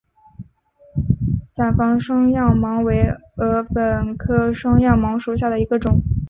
伞房双药芒为禾本科双药芒属下的一个种。